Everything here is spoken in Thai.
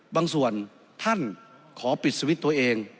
บางส่วนท่านขอปิดสวิตช์ตัวเอง